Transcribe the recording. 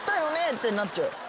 ってなっちゃう。